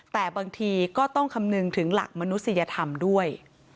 แต่บางทีก็ต้องคำนึงถึงหลักมนุษยธรรมด้วย